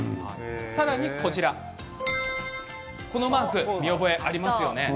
さらに、このマーク見覚えありますよね。